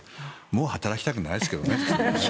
もう働きたくないですけどね。